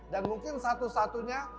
dan mungkin satu satunya